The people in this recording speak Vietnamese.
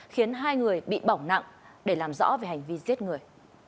khiến hai người bị bỏng nặng để làm rõ về hành vi giết người